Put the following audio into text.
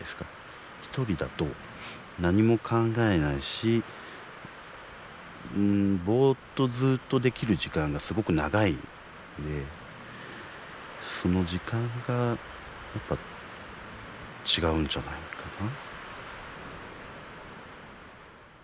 １人だと何も考えないしボーッとずっとできる時間がすごく長いのでその時間がやっぱ違うんじゃないかな。